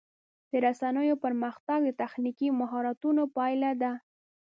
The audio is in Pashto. د رسنیو پرمختګ د تخنیکي مهارتونو پایله ده.